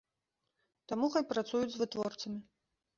Таму, хай працуюць з вытворцамі.